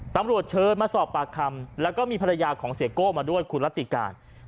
ตำรวจเชิญมาสอบปากคำแล้วก็มีภรรยาของเสียโก้มาด้วยคุณรัติการ